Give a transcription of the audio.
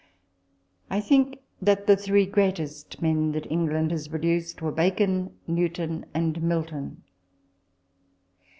I think that the three greatest men that England has produced were Bacon, Newton, and Milton.